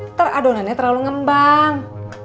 ntar adonannya terlalu ngembang